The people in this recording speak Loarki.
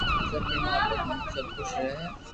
سب ڀينو آپس ميو سب خوݾ رھي ھي